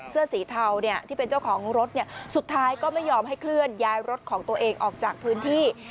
เสื้อสีเทาเนี่ยที่เป็นเจ้าของรถสุดท้ายก็ไม่ยอมให้เคลื่อนย้ายรถของตัวเองออกจากพื้นที่